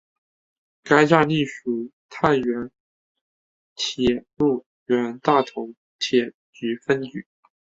该站隶属太原铁路局大同铁路分局。